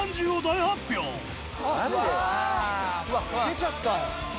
出ちゃったよ。